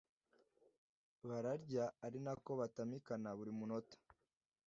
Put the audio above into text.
bararya ari nako batamikana buri munota